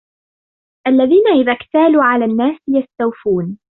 الَّذِينَ إِذَا اكْتَالُوا عَلَى النَّاسِ يَسْتَوْفُونَ